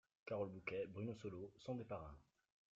Carole Bouquet, Bruno Solo, sont des parrains.